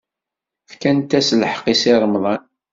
Fkant-as lḥeqq i Si Remḍan.